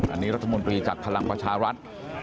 อันนี้รัฐมนตรีจากพลังประชารัฐ